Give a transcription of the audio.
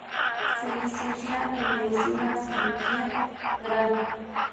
Se licencia en Medicina y Cirugía Gral.